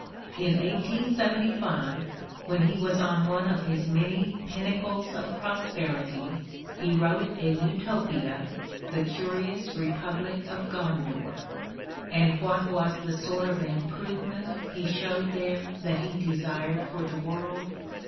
In 1875, when he was on one of his many pinnacles of pros perity, he vtTote a Utopia, "The Curious Repmblic of Gondour." And what was the sort gf improvement he showed there that he desired for the world?